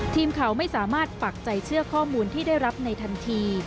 ทีมข่าวไม่สามารถปักใจเชื่อข้อมูลที่ได้รับในทันที